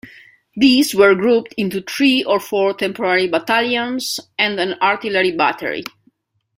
These were grouped into three or four temporary battalions and an artillery battery.